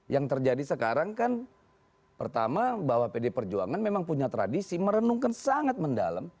yang terjadi sekarang kan pertama bahwa pd perjuangan memang punya tradisi merenungkan sangat mendalam